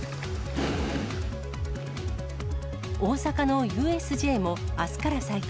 大阪のＵＳＪもあすから再開。